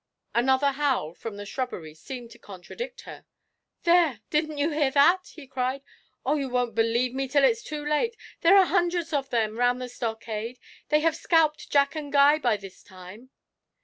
Another howl from the shrubbery seemed to contradict her. 'There, didn't you hear that?' he cried. 'Oh, you won't believe me till it's too late! There are hundreds of them round the stockade. They may have scalped Jack and Guy by this time!'